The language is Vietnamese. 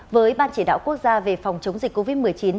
với ban chỉ đạo quốc gia về phòng chống dịch covid một mươi chín